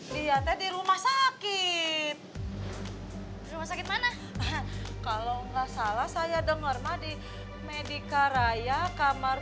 diantre di rumah sakit rumah sakit mana kalau nggak salah saya denger mady medica raya kamar